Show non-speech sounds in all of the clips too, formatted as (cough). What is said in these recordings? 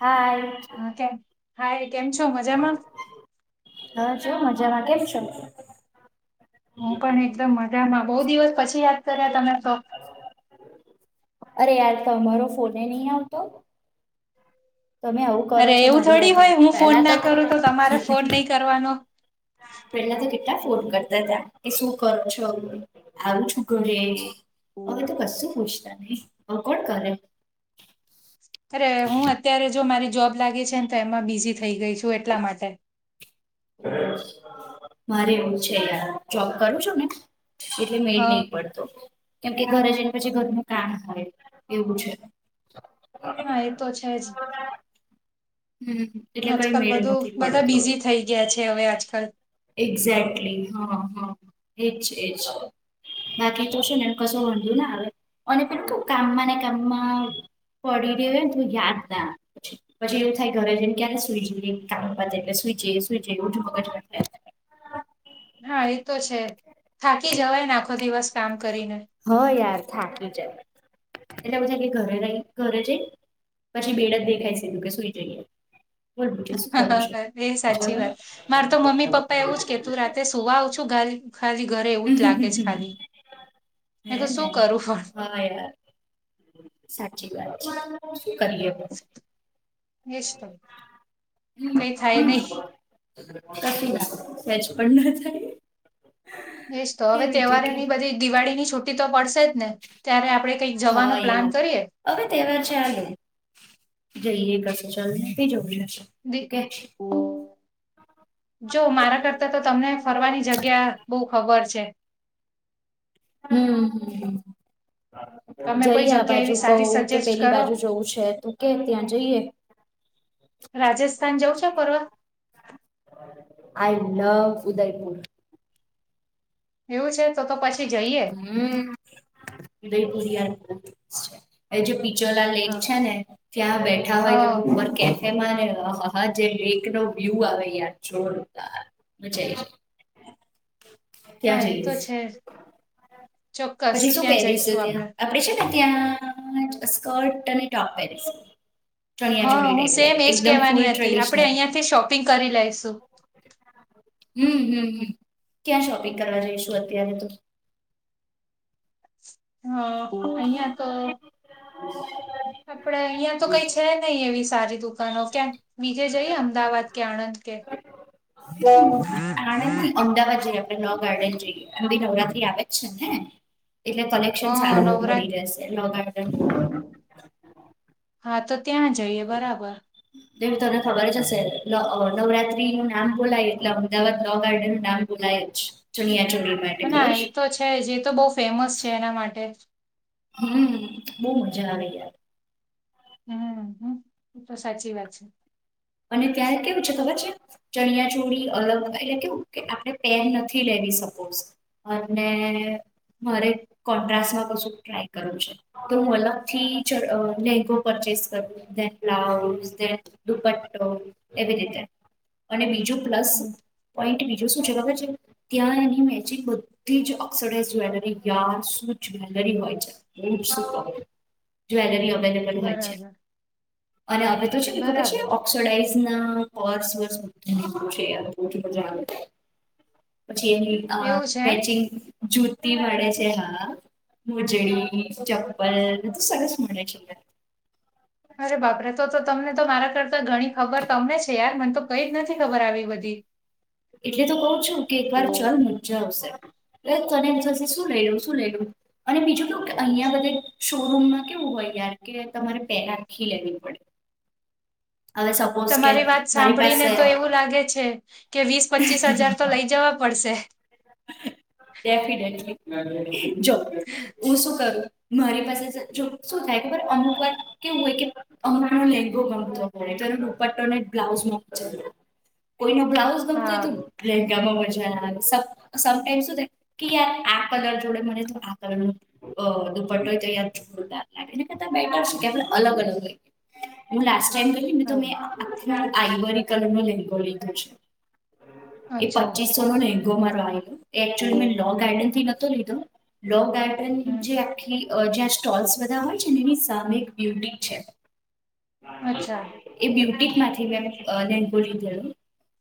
હા (unintelligible) હાય કેમ હાય કેમ છો? મજામાં હજો મજામાં કેમ છો હું પણ એકદમ મજામાં બહુ દિવસ પછી યાદ કર્યા તમે તો અરે યાર તમારો ફોને નહી આવતો. તમે આવવું કરો અરે છો, એવું મારી થોડી સાથે હોય હું ફોન પેલા તો ના કરું તમારે ફોન નહી કરવાનો પહેલા તો કેટલાં ફોન કરતા ત્તા એ શું કરો છો સારું (unintelligible) હવે તો કશું પૂછતા નહી. હ કોણ કરે? અરે હું અત્યારે જો મારી જોબ લાગી છે ને, તો એમાં બિઝી થઈ ગઈ છું એટલા માટે (unintelligible) મારે એવું છે યાર જોબ કરું છું ને એટલે મેળ હા નહીં પડતો. કેમ કે ઘરે જઈને પછી ઘરનું કામ હોય એવું છે. હા એ તો છે જ હમ એટલે કઈ આજકાલ મેળ બધું નથી બધા પડતો બિઝી થઈ ગયા છે હવે આજકાલ એક્ઝેક્ટલી હ હ એ જ એ જ બાકી તો છે ને કશો વંધો ના આવે. અને કામમાં ને કામમાં પડી રહ્યો હોય ને પછી યાદ ના આવે પછી એવું થાય ઘરે જઈને ને ક્યારે સુ ઈ જઈએ કામ પતે એટલે સુઈ જઈએ સુઈ જઈએ હા એ તો છે થાકી જવાય ને આખો દિવસ કામ કરીને હ યાર થાકી જાય એટલે પછી ઘરે રહી ઘરે જઈ પછી બેડ જ દેખાય કે સુુંઈ જઈએ બોલ બીજું શું કરું હ છું એ સાચી જવાનું? વાત મારે તો મમ્મી પપ્પા એવું જ કે, તું રાતે સુવા આવે છો ધરે ખાલી ઘરે એવું જ લાગે છે ખાલી મેં હે કીધું ને શું કરું પણ હા યાર સાચી વાત છે કરી લ્યો. એજ તો કઈ થાય નહિ. કસી ના થાય સેજ પણ ના થાય. એજ તો કે હવે બીજું તહેવારો કે ની બધી દિવાળીની છ. છુટ્ટી તો પડશે જ ને ત્યારે આપડે કંઈક જવાનો હા પ્લાન યાર કરીએ. હવે તહેવાર ચાલે જઈએ પછી ચાલ દી (unintelligible) (inaudible) જો મારા કરતા તો તમને ફરવાની જગ્યા બહુ ખબર છે. હમ તમે કોઈ જઈએ આ જગ્યા એવી બાજુ સારી કહું કે સજેસ્ટ પેલી કરો બાજુ જવું છે તુ કે ત્યાં જઈએ. રાજસ્થાન જઉં છે ફરવા? આઈ લવ ઉદયપુર. એવું છે તો તો પછી જઈએ. હમ ઉદયપુર (unintelligible) એ જે પીછોલા લેક હા છે ને ત્યાં બેઠા હોય તો હા ઉપર (unintelligible) એમાંને હા જે લેક નો વ્યુ આવે યાર જોરદાર. હા ક્યાં એ તો જઈસ. છે ચોક્કસ પછી શું ત્યાં પહેરીશ જઈશું ત્યાં આપડે આપણેે છે ને ત્યાં સ્કર્ટ અને ટોપ પહેરીશ. હા હું સેમ એજ ફૂલ કેહેવાની હતી. આપડણે ટ્રેડિશનલ અહિયાંથી શોપિંગ કરી લઈશુ હમ ક્યાં શોપિંગ કરવા અત્યારે તો? હા અહંયા તો હ (inaudible) આપડે અહિયાં તો કઈ છે નહી એવી સારી દુકહું દુકાનો ક્યાં બીજે જઈએ અમદાવાદ કે આણંદ કે? હા આનંદ નહીં, અમદાવાદ જઈ આવીએ. લવ ગાર્ડન જોઈએી નવરાત્રી આવે જ છે ને એટલે કલેક્શન હા સારું નવરાત મળી રહેશે, નવરાત્રીમાં પહેરવાની. હા તો ત્યાં જઈએ બરાબર. એ તને ખબર જ હશે નવરાત્રી નુ નામ બોલાય એટલે અમદાવાદ લો ગાર્ડન નું નામ બોલાય જ, ચુણિયા ચુડી માટે. હ ના એ તો છે જ એ તો બહુ ફેમસ છે એના માટે. હમ બહુ મજા આવે યાર. હમ એ તો સાચી વાત છે. અને ત્યાં કેવું છે ખબર છે ચણિયા ચોળ અલગ એટલે કેવું, કે આપણે પેર નથી લેવી સપોસ અને મારે કોન્ટ્રાસમાં કશુક ટ્રાય કરવું છે. તો હું અલગથી લેગો પરચેસ કરું. બ્લાઉઝની દુપટ્ટો તો એવી રીતે અને બીજું પ્લસ હમ પોઈન્ટ બીજું શું છે ખબર છે? ત્યાં એની મેચિંગ બધી જ ઓક્સોડાઇઝ જ્વેલરી, યાર શું જ્વેલરી હોય છે. બહુ જ સુપર જવેલરી અવેલેબલ હોય છે, બરાબર અને હવે તો કેવું છે ને ખબર છે ને બરાબર ઓ અક્ષરાઈઝના પર્સને બધું (inaudible) પછી એની એવું છે એમ મેચિંગ જુતી મળે છે હા. મુજડી ચપ્પલ તો સરસ મળે છે. અરે બાપરે તો તો તમને તો મારા કરતા ઘણી ખબર તમને છે યાર મને તો કઈ જ નથી ખબર આવી બધી. એટલે તો કહું છું કે એક વાર ચલ મજા આવશે. એટલે તને એમ થશે શું લઈ લુ શું લઈ લવ. અને બીજું કેવું કે અહીંયા બધે શો રૂમમાં કેવું હોય યાર કે તમારે પેર આખી લેવી પડે. અને સપો તમારી વાત સાંભળીને તો એવું લાગે છે કે વીસ પચીસ હજાર તો લઈ જવા પડશે. ડેફિનેટલી જો હું શું કરું? મારી પાસે શું જો થાય અમુક વાર કેવું હોય કે અમણ લેહંગો ગમતો તો ત્યારે દુપટ્ટોને બ્લાઉઝ ન ચ્યો કોઈનો બ્લાઉઝ હોય તોય હા તો લહેંગામાં મજા આવે સ સમટાઈમ શું થાય કે યાર આ કલર જોડે મને તો આ કલર ના મા ઓ દુપટો હોય તો યાદ જોરદાર લાગે એના કરતાં બેટર કહેવાય અલગ અલગ હોય. હું લાસ્ટ ટાઈમ ગઈ તી ને તો હા મેં આખ આઈવરી કલર નો લહેંગો લીધો છે. એ અચ્છા પચીસો નો લહેંગો મારો આવ્યો તો એક્ચ્યુલી મેં લો હમ ગાર્ડન થી નતો લીધો. લો ગાર્ડન જે આખી અ જ્યાં સ્ટોલ્સ બધા હોય છે એની સામે એક બ્યુટીક છે. અચ્છા એ બ્યુટિક માંથી મેં અ લહેંગો લીધેલું.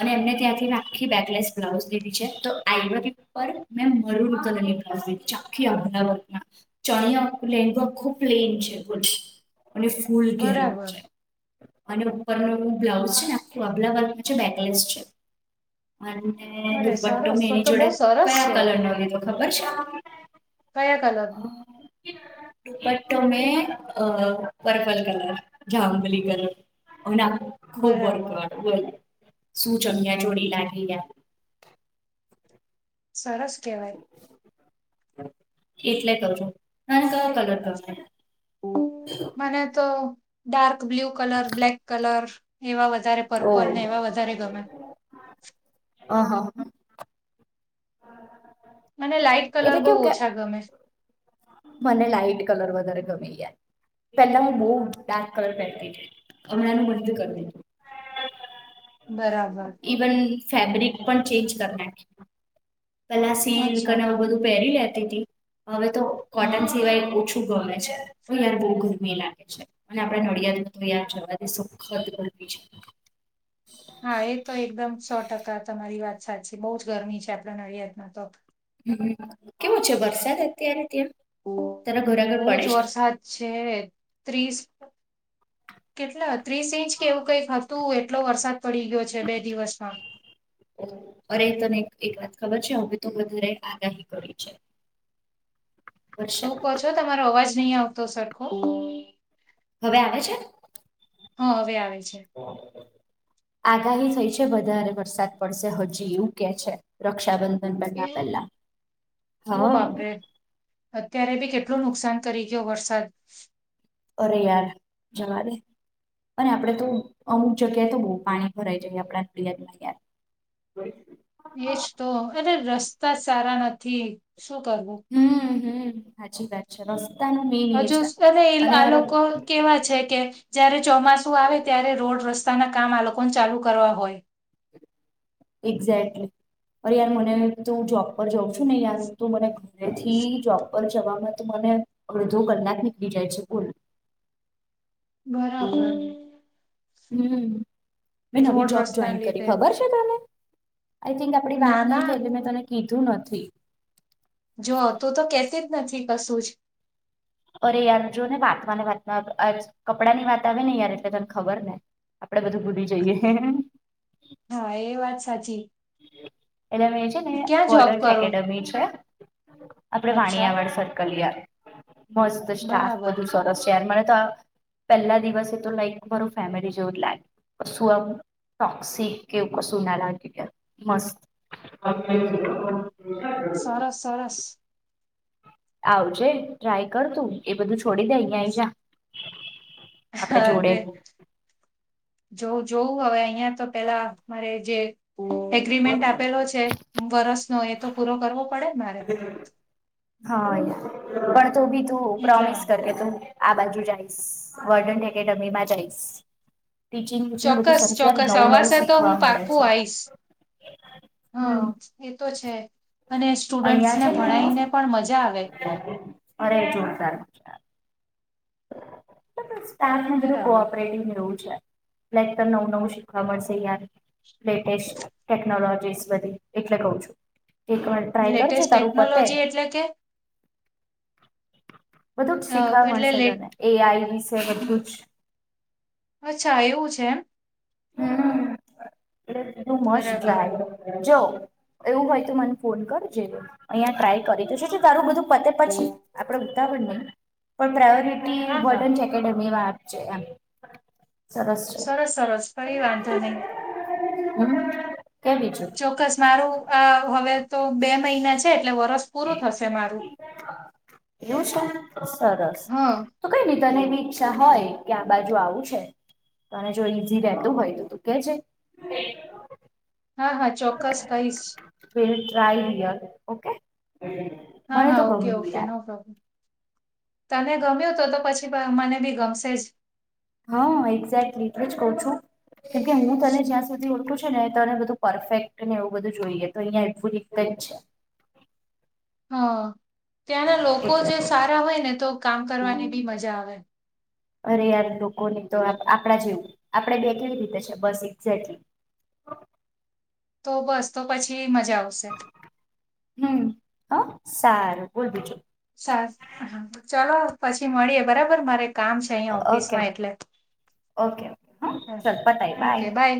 અને એમને ત્યાંથી આખી બેકલેસ બ્લાઉઝ લીધી છે તો (unintelligible) ઉપર મેં મરુન કલરની બ્લાઉઝ લીધી છે આખી આભલા વર્ક (unintelligible) ચણિયો આખો લહેંગો ખુબ પ્લેન છે અને ફૂલ ઘેર (unintelligible) બરાબર છે. અને ઉપરનું બ્લાઉઝ છે ને આખુ આભલા વાળું છેને બેકલેસ છે. અને અરે દુપટ્ટો સરસ તો એની તો બહુ જોડે સરસ કયા છે કલર નો લીધો તો ખબર છે? કયા અ, કલરનો? દુપટ્ટો મેં અ પર્પલ કલર (unintelligible) કલર. અને આખુ વર્ક બરાબર વાળો બોલ શું ચણિયાચોળી લાગી યાર? સરસ કેહવાય. એટલે કરજો તને કયો કલર ગમે? મને તો dark blue colour black colour એવા વધારે ઓહ પર્પલ ને એવા વધારે ગમે. અ હ મને લાઈટ એટલે કલર કેવું બોહુ કે ઓછા ગમે. મને લાઈટ કલર વધારે ગમે યા પેલા હું બોહુ ડાર્ક કલર પહેરતી તી હમણાં મેં બંધ કરી દીધું. બરાબર ઇવન ફેબ્રિક પણ ચેન્જ કર નાખ પેલા સિલ્કને અચ્છા એવું બધું પહેરી લેતી તી હવે તો કોટન હમ સિવાય ઓછ ગમે છે યાર બોહુ ગરમી લાગે છે. અને આપણે નડિયાદ તો યાર જવાથી સખદ ગરમી છે. હા એ તો એકદમ સો ટકા તમારી વાત સાચી બહુ જ ગરમી છે આપણા નડિયાદમાં તો? હમ્મ કેવું છે વરસાદ અત્યારે (unintelligible) તારા ઘરે આગળ બહુ પડે જ છે? વરસાદ છે ત્રીસ કેટલા ત્રીસ ઈંચ કે એવું કઈક હતું એટલો વરસાદ પડી ગયો છે બે દિવસમાં (unintelligible) અરે તને એક એક વાત ખબર છે હવે તો વધારે આગાહી કરી છે. શું વરસાદ કહો છો તમારો અવાજ નહીં આવતો સરખો હવે આવે છે? હ હવે આવે છે. આગાહી થઈ છે વધારે વરસાદ પડશે હજી એવું કેહ છે. રક્ષાબંધન એ પેહલા પેલા ઓ હાં. બાપરે અત્યારે બી કેટલું નુકસાન કરી ગ્યો વરસાદ? અરે યાર જવાદે. અને આપણે તો અમુક જગ્યાએ તો બોહ પાણી ભરાઈ જાય આપડા (unintelligible) (unintelligible) એજ તો અરે રસ્તા સારા નથી શું કરવું? હમ્મ હમ્મ હાચી વાત. રસ્તાનું બીજ હજુ (unintelligible) આ લોકો કેવા છે કે જયારે ચોમાસું આવે ત્યારે રોડ રસ્તાના કામ આ લોકોન ચાલુ કરવા હોય. એક્ઝેક્ટલી અરે યાર મને તું જોબ પર જાઉં છું ને યાર તો મને થી જોબ પર જવામાં તો મને અડધો કલાક નીકળી જાય છે. બોલ? બરાબર. હમ્મ, મેં નવી રોડ જોબ જોઈન રસ્તાને કરી. લીધે ખબર છે તને? આઈ થિંક આપણી વાત ના નહી ના થઈ એટલે મેં તને કીધું નથી. જો તું તો કેહતી જ નથી કશું જ. અરે! યાર જો ને વાતમાની વાતમાં આ ચ કપડાંની વાત આવેને યાર એટલે તને ખબર જ ને. આપડે બધું ભૂલી જઈએ. હે હે હે. હા, એ વાત સાચી છે. એટલે મેં છે ને જોબ બોડન્ટ કરો એકેડેમી છે. આપણે અચ્છા વાણિયાવાડ સર્કલ યાર. મસ્ત સ્ટાફ બરાબર બધું સરસ છે અને મને તો પહેલા દિવસે તો લાઈક બરું ફેમિલી જેવું જ લાગે. કશું આમ ટોક્સિક કે એવું કશુંના લાગે ક્યાંક. મસ્ત. (unintelligible) સરસ સરસ. આવજે. ટ્રાય કર તું. એ બધું છોડી દે અહીંયા આવીજા. હા હવે. જોવું જોવું હવે અહીંયા તો પહેલા મારે જે એગ્રીમેન્ટ આપેલો છે વરસનો એ તો પૂરો કરવો પડે ને મારે પેહલે હવે તો. હા, યાર. પણ તું ભી તું એટલા પ્રોમિસ કર માટે કે તું આ બાજુ જ આઈશ. વોર્ડન એકેડેમીમાં જ આઈશ. ટીચિંગ વીચિંગ બધું ચોક્કસ સરસ યાર. ચોક્કસ નવું નવું અવાસે શીખવા મળે છે. હ હમ અ, એ તો છે અને સ્ટુડન્ટસ અહિયાં ને છે ભણાઈ ને પણ મજા આવે. અરે! જોરદાર મજા આવે. સ્ટાફનું બધું બરાબર કો-ઓપરેટિવ ને એવું છે. લાઈક નવું નવું શીખવા મળશે યાર. લેટેસ્ટ ટેકનોલોજીસ બધી એટલે કઉ છું. એકવાર ટ્રાય કરજે લેટેસ્ટ તારું પતે ટેકનોલોજી એટલે કે બધું જ અ, શીખવા એટલે મળશે લેટ તને. એઆઈ વિશે બધું જ. અચ્છા. એવું છે એમ? હમ્મ, એ યુ મસ્ટ બરાબર ટ્રાય જો એવું હોય તો મને ફોન કરજે. અહીયાં ટ્રાય કરી તો શું તારું બધું પતે પછી આપણે ઉતાવ નહી પણ પ્રાયોરિટી હા હા વોર્ડન ચેક એકડમી માં આપ જે એમ. સરસ સરસ. કઈ વાંધો નહી. હમ કે બીજું ચોક્કસ મારું અ હવે તો બે મહિના છે એટલે વરષ પૂરું થશે મારું. એવું છે સરસ હ અ તો કઈ નહી તને એવી ઈચ્છા હોય કે આ બાજુ આવું છે અને જો ઈઝી રહેતું હોય તો તું કહેજે. હા-હા, ચોક્કસ કહીશ. Well try here, okay. મને હા-હા, તો ગમ્યું ઓકે-ઓકે. યાર નો પ્રોબ્લેમ. તને ગમ્યું તો તો પછી પ મને ભી ગમશે જ. હ અ એક્ઝેક્ટલી એટલે જ કઉ છું કે કે હું તને જ્યાં સુધી ઓળખું છું. ને તને બધું પરફેક્ટને એવું બધું જોઈએ તો અહિયાં (unintelligible) જ છે. હ ત્યાંના લોકો એટલે જે કઉ સારા હોય ને તો કામ કરવાની ભી મજા આવે. અરે યાર લોકોને તો આપણા જેવું આપડે બે કેવી રીતે છે બસ એક્ઝેક્ટલી. તો બસ તો પછી મજા આવશે. હમ, હ સારું બોલ બીજું. સારુ ચલો પછી મળીએ બરાબર મારે કામ છે. અહીંયા ઓકે ઓફિસમાં એટલે. ઓકે ઓકે હા ચાલ પતાય ઓકે બાય.